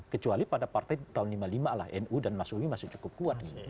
kecuali pada partai tahun seribu sembilan ratus lima puluh lima lah nu dan mas umi masih cukup kuat